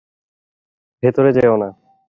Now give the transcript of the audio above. ভেতরে যেও না!